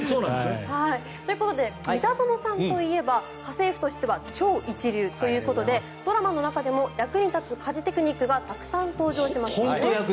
ということで三田園さんといえば家政夫としては超一流ということでドラマの中でも役に立つ家事テクニックが登場します。